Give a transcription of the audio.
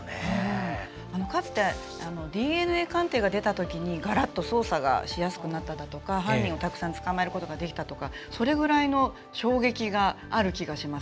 かつて、ＤＮＡ鑑定が出たときにがらっと捜査がしやすくなったとか犯人をたくさん捕まえることができたとかそれぐらいの衝撃がある気がします。